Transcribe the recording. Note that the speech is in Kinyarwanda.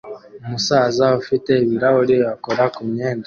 Umusaza ufite ibirahuri akora kumyenda